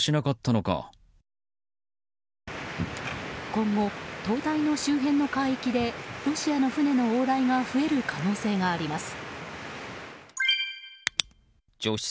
今後、灯台の周辺の海域でロシアの船の往来が増える可能性があります。